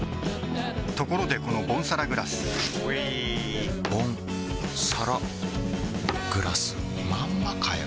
ところでこのボンサラグラスうぃボンサラグラスまんまかよ